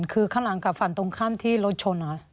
คือข้างหลังกับฝั่งตรงข้ามที่รถชน